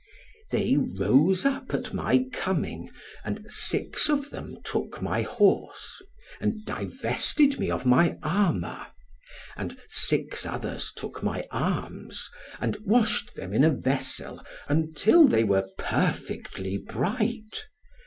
{18c} They rose up at my coming, and six of them took my horse, and divested me of my armour; and six others took my arms, and washed them in a vessel, until they were perfectly bright.